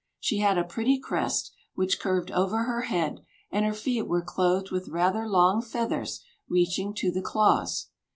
She had a pretty crest, which curved over her head, and her feet were clothed with rather long feathers reaching to the claws.